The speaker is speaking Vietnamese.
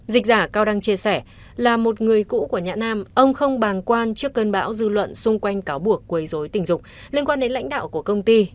dịch giả cao đăng chia sẻ là một người cũ của nhã nam ông không bàng quan trước cơn bão dư luận xung quanh cáo buộc quấy dối tình dục liên quan đến lãnh đạo của công ty